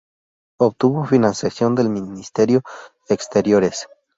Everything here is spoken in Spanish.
Obtuvo financiación del Ministerio de Exteriores.